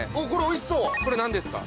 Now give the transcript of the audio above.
これなんですか？